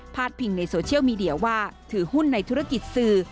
พิงในโซเชียลมีเดียว่าถือหุ้นในธุรกิจสื่อ